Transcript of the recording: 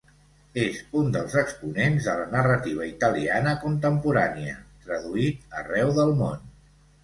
És un dels exponents de la narrativa italiana contemporània, traduït arreu del món.